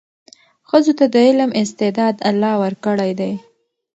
ښځو ته د علم استعداد الله ورکړی دی.